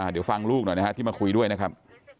เดี๋ยวฟังลูกหน่อยนะครับที่มาคุยด้วยนะครับ